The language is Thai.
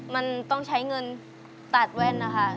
มันต้องใช้เงินตัดแว่นนะคะ